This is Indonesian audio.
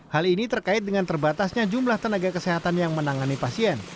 hal ini terkait dengan terbatasnya jumlah tenaga kesehatan yang menangani pasien